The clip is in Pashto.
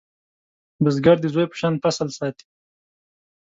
بزګر د زوی په شان فصل ساتي